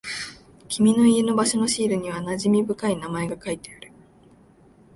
君の家の場所のシールには馴染み深い名前が書いてある。